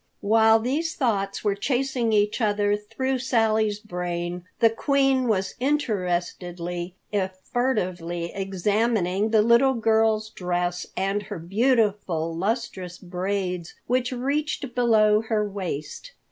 While these thoughts were chasing each other through Sally's brain, the Queen was interestedly, if furtively examining the little girl's dress and her beautiful, lustrous braids which reached below her waist.